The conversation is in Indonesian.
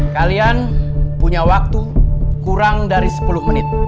kalian punya waktu kurang dari sepuluh menit